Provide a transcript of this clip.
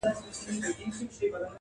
زور یې نه وو د شهپر د وزرونو -